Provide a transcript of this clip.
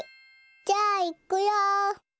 じゃあいくよ！